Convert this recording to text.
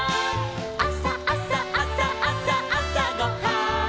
「あさあさあさあさあさごはん」